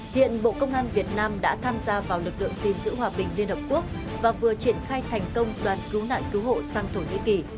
hiện bộ công an việt nam đã tham gia vào lực lượng gìn giữ hòa bình liên hợp quốc và vừa triển khai thành công đoàn cứu nạn cứu hộ sang thổ nhĩ kỳ